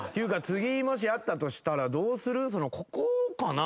次もしあったとしたらどうする？